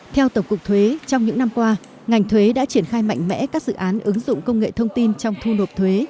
theo tổng cục thuế trong những năm qua ngành thuế đã triển khai mạnh mẽ các dự án ứng dụng công nghệ thông tin trong thu nộp thuế